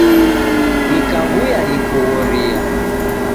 Nikaw'uya nikughoria.